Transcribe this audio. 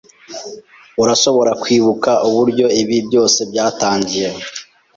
Urashobora kwibuka uburyo ibi byose byatangiye?